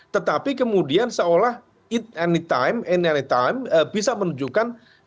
tetapi kemudian seolah it any time in any time bisa menunjukkan garis perbedaan itu